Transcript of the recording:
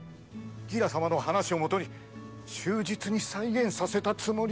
ギラ様の話をもとに忠実に再現させたつもりでしたが。